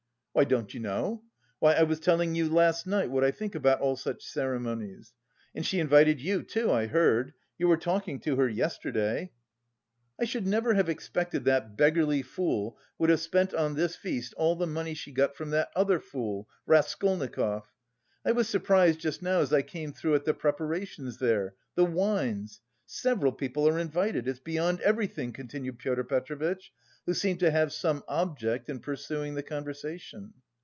"Why, don't you know? Why, I was telling you last night what I think about all such ceremonies. And she invited you too, I heard. You were talking to her yesterday..." "I should never have expected that beggarly fool would have spent on this feast all the money she got from that other fool, Raskolnikov. I was surprised just now as I came through at the preparations there, the wines! Several people are invited. It's beyond everything!" continued Pyotr Petrovitch, who seemed to have some object in pursuing the conversation.